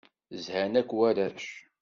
Zhan akk warrac.